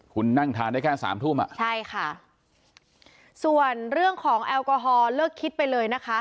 คุณนั่งทานได้แค่สามทุ่มอ่ะใช่ค่ะส่วนเรื่องของแอลกอฮอลเลิกคิดไปเลยนะคะ